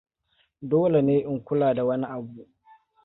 Dole ne in kula da wani abu.